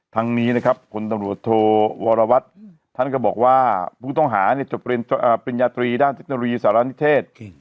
ทางนี้นะครับคนตำรวจโทรวรวัตท่านก็บอกว่าผู้ต้องหาเนี่ยจบปริญญาตรีด้านเทคโนรีสหรัฐนิเทศ